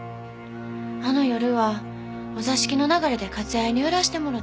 あの夜はお座敷の流れでかつ絢に寄らしてもろて。